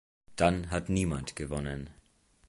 Dann hat niemand gewonnen.